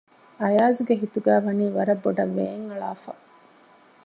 އަޔާޒުގެ ހިތުގައިވަނީ ވަރަށް ބޮޑަށް ވޭން އަޅާފަ